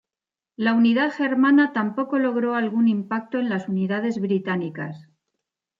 La unidad germana tampoco logró algún impacto en las unidades británicas.